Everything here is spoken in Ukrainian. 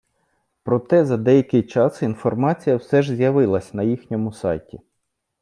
Проте за деякий час інформація все ж з’явилась на їхньому сайті.